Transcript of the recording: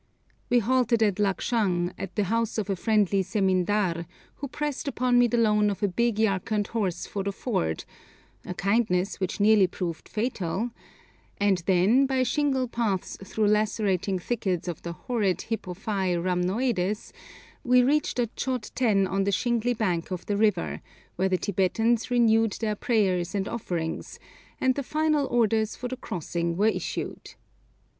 We halted at Lagshung, at the house of a friendly zemindar, who pressed upon me the loan of a big Yarkand horse for the ford, a kindness which nearly proved fatal; and then by shingle paths through lacerating thickets of the horrid Hippophaë rhamnoides, we reached a chod ten on the shingly bank of the river, where the Tibetans renewed their prayers and offerings, and the final orders for the crossing were issued.